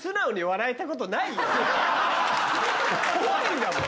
怖いんだもん。